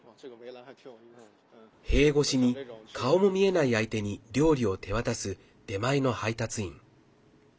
塀越しに、顔も見えない相手に料理を手渡す出前の配達員。